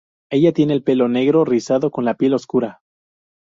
Ella tiene el pelo negro y rizado con la piel oscura.